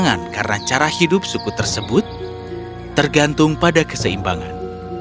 tetapi mereka juga menemukan tantangan karena cara hidup suku tersebut tergantung pada keseimbangan